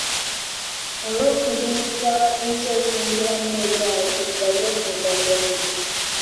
Olw’okuziyiza abayinza okwongeramu ebyabwe ka tulabire ku ndagaano.